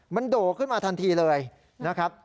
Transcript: มันโด่งขึ้นมาทันทีเลยนะครับ